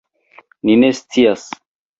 Ni ne scias.